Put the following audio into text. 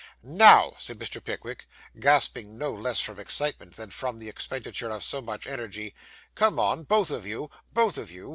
'Now,' said Mr. Pickwick, gasping no less from excitement than from the expenditure of so much energy, 'come on both of you both of you!